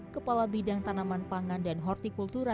kepala bidang tanaman pangan dan hortikultura